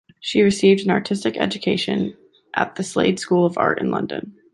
She received an artistic education at the Slade School of Art in London.